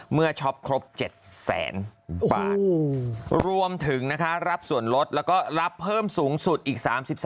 ช็อปครบ๗แสนบาทรวมถึงรับส่วนลดแล้วก็รับเพิ่มสูงสุดอีก๓๓